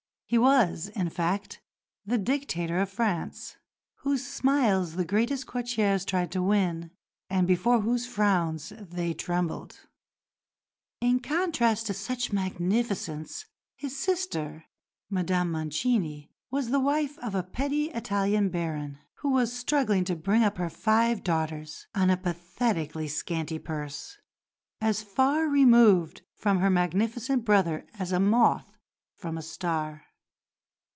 He was, in fact, the dictator of France, whose smiles the greatest courtiers tried to win, and before whose frowns they trembled. In contrast to such magnificence, his sister, Madame Mancini, was the wife of a petty Italian baron, who was struggling to bring up her five daughters on a pathetically scanty purse as far removed from her magnificent brother as a moth from a star.